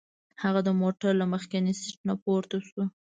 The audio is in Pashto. هغه د موټر له مخکیني سیټ نه پورته شو.